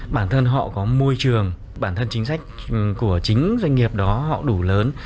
bản thân họ có môi trường bản thân chính sách của chính doanh nghiệp đó họ đủ lớn